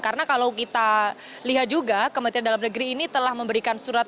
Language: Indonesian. karena kalau kita lihat juga kementerian dalam negeri ini telah memberikan surat